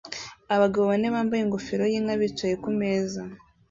Abagabo bane bambaye ingofero yinka bicaye kumeza